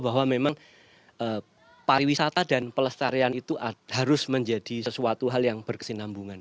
bahwa memang pariwisata dan pelestarian itu harus menjadi sesuatu hal yang berkesinambungan